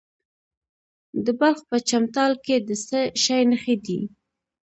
د بلخ په چمتال کې د څه شي نښې دي؟